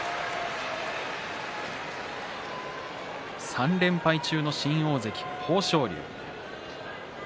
３連敗中の新大関豊昇龍。